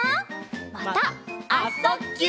また「あ・そ・ぎゅ」